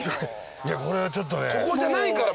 これはちょっとね。